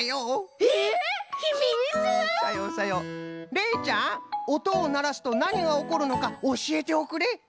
れいちゃんおとをならすとなにがおこるのかおしえておくれ。